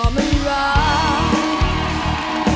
พระครู